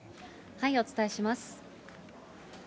お伝えします。